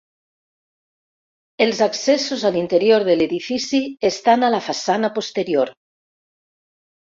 Els accessos a l'interior de l'edifici estan a la façana posterior.